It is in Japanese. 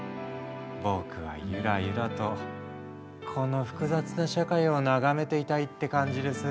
僕はゆらゆらとこの複雑な社会を眺めていたいって感じです。